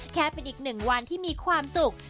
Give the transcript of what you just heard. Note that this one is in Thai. แค่เป็นอีกหนึ่งวันที่มีความสุข